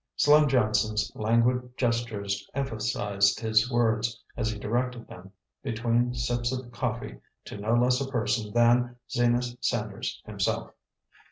Slim Johnson's languid gestures emphasized his words, as he directed them, between sips of coffee, to no less a person than Zenas Sanders himself.